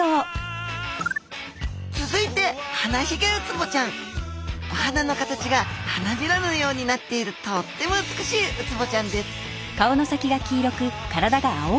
続いてお鼻の形が花びらのようになっているとっても美しいウツボちゃんです